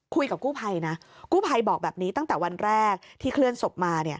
คุยกับกู้ภัยนะกู้ภัยบอกแบบนี้ตั้งแต่วันแรกที่เคลื่อนศพมา